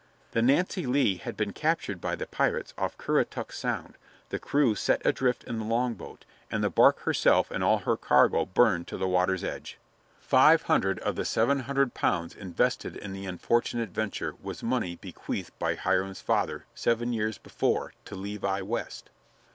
The Nancy Lee had been captured by the pirates off Currituck Sound, the crew set adrift in the longboat, and the bark herself and all her cargo burned to the water's edge. [Illustration: SO THE TREASURE WAS DIVIDED] Five hundred of the seven hundred pounds invested in the unfortunate "venture" was money bequeathed by Hiram's father, seven years before, to Levi West.